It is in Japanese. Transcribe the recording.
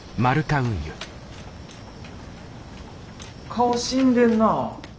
顔死んでんな。